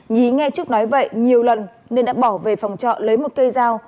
nhí nghe trúc nói vậy nhiều lần nên đã bỏ về phòng trọ lấy một cây dao